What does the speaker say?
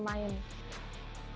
gitu gimana tuh